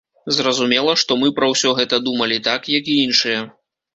Зразумела, што мы пра ўсё гэта думалі так, як і іншыя.